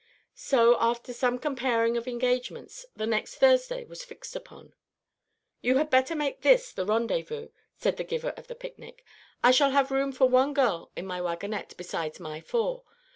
So, after some comparing of engagements, the next Thursday was fixed upon. "You had better make this the rendezvous," said the giver of the picnic. "I shall have room for one girl in my wagonette besides my four.